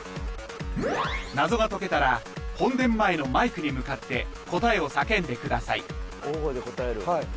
謎が解けたら本殿前のマイクに向かって答えを叫んでください